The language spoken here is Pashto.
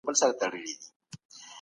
هغه خپل عزت وساتی او پر خپل دريځ ولاړی.